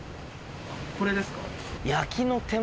これですか？